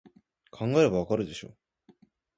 考えればわかるでしょ